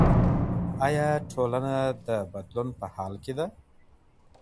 ايا ټولنه د بدلون په حال کي ده؟